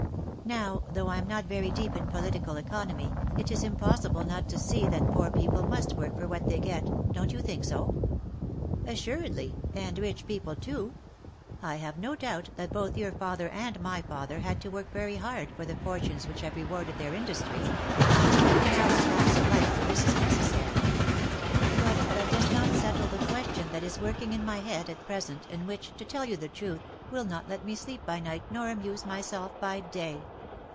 Now, though I am not very deep in poli tical economy, it is impossible not to see that poor people must work for what they get — don't you think so V " Assuredly, and rich people too. I have no doubt that both your father and my father had to work very hard for the fortunes which have rewarded their industry. In our class of life this is necessary. But that does not settle the question that is working in my head at pre sent, and which, to tell you the truth, will not let me sleep by night nor amuse myself by day.